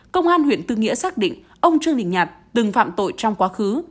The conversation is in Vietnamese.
công an huyện tư nghĩa xác định ông trương đình nhạt từng phạm tội trong quá khứ